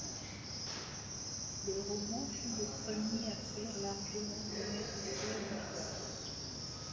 Le roman fut le premier à faire largement connaître Paul d'Ivoi.